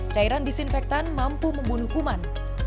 cairan disinfektan mampu membunuh kuman